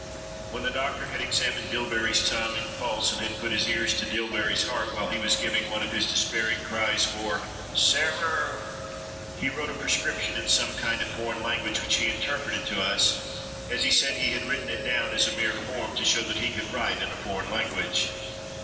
When the doctor had examined Dillbery's tongue and pulse and had put his ear to Dillbery's heart while he was giving one of his despairing cries for "Sarer," he wrote a prescription in some kind of foreign language which he interpreted to us, as he said he had written it down as a mere form to show that he could write in a foreign language.